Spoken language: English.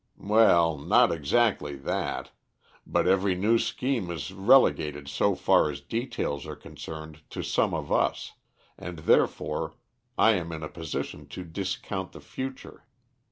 "Well, not exactly that. But every new scheme is relegated so far as details are concerned to some of us, and therefore I am in a position to discount the future.